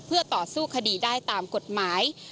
เพื่อต่อสู้คดีได้ตามกฎหมาย